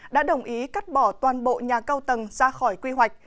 đã đồng ý cắt bỏ toàn bộ nhà cao tầng ra khỏi quy hoạch